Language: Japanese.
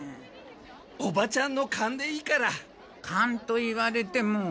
おばちゃんのかんでいいから。かんと言われても。